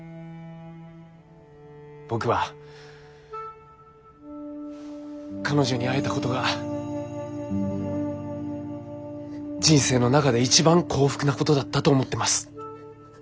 僕は彼女に会えたことが人生の中で一番幸福なことだったと思ってます。